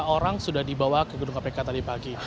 lima orang sudah dibawa ke gedung kpk tadi pagi